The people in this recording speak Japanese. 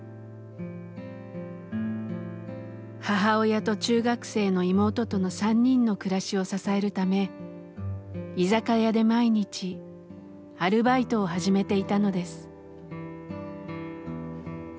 母親と中学生の妹との３人の暮らしを支えるため居酒屋で毎日アルバイトを始めていたのです。